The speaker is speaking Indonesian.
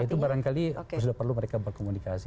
itu barangkali sudah perlu mereka berkomunikasi